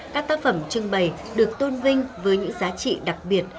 các tác phẩm trưng bày được tôn vinh với những giá trị đặc biệt